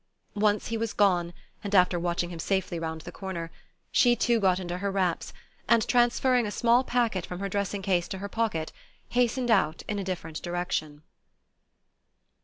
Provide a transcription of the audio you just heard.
Once he was gone and after watching him safely round the corner she too got into her wraps, and transferring a small packet from her dressing case to her pocket, hastened out in a different direction.